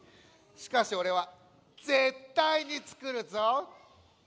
しかしおれはぜったいにつくるぞ。